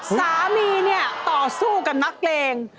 สามีเนี่ยต่อสู้กับนักเลง